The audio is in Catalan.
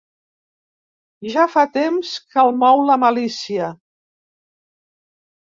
Ja fa temps que el mou la malícia.